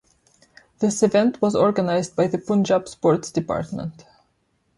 This event was organized by the Punjab Sports department.